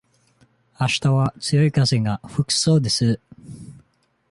あしたは強い風が吹くそうです。